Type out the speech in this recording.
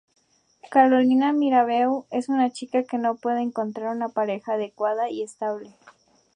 Carolina Mirabeau es una chica que no puede encontrar una pareja adecuada y estable.